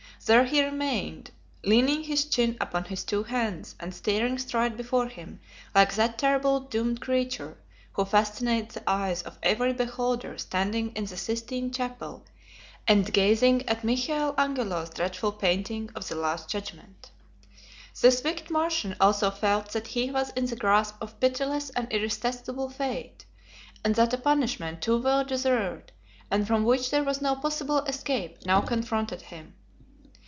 There he remained, leaning his chin upon his two hands and staring straight before him like that terrible doomed creature who fascinates the eyes of every beholder standing in the Sistine Chapel and gazing at Michael Angelo's dreadful painting of "The Last Judgement." This wicked Martian also felt that he was in the grasp of pitiless and irresistible fate, and that a punishment too well deserved, and from which there was no possible escape, now confronted him.